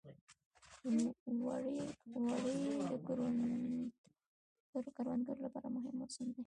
وری د کروندګرو لپاره مهم موسم دی.